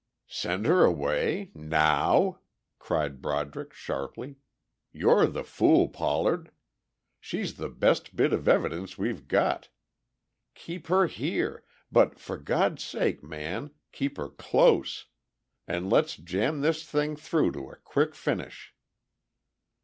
"Send her away ... now?" cried Broderick sharply. "You're the fool, Pollard. She's the best bit of evidence we've got. Keep her here, but for God's sake, man, keep her close! And let's jam this thing through to a quick finish."